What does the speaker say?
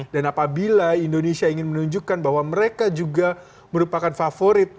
dan apabila indonesia ingin menunjukkan bahwa mereka juga merupakan favorit